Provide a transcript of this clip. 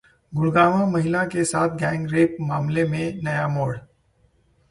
गुड़गांवः महिला के साथ गैंगरेप मामले में नया मोड़